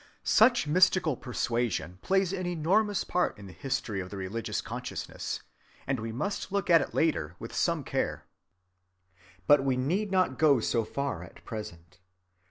Such mystical persuasion plays an enormous part in the history of the religious consciousness, and we must look at it later with some care. But we need not go so far at present.